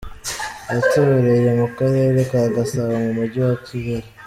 Yatoreye mu karere ka Gasabo mu mujyi wa Kigali.